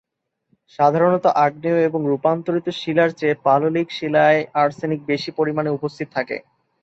সাধারণত আগ্নেয় এবং রূপান্তরিত শিলার চেয়ে পাললিক শিলায় আর্সেনিক বেশি পরিমাণে উপস্থিত থাকে।